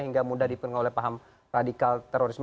hingga mudah dipengaruhi oleh paham radikal terorisme